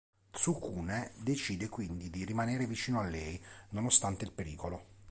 Tsukune decide quindi di rimanere vicino a lei, nonostante il pericolo.